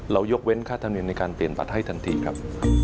ยกเว้นค่าธรรมเนียมในการเปลี่ยนบัตรให้ทันทีครับ